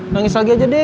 nangis lagi aja deh